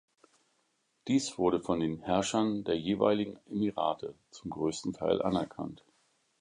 Dies wurde von den Herrschern der jeweiligen Emirate zum größten Teil anerkannt.